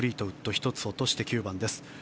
１つ落として９番です。